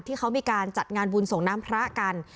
ที่เขามีการจัดงานบุญส่งน้ำพระกัน